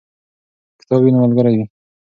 که کتاب وي نو ملګری وي.